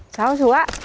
cháu chú ạ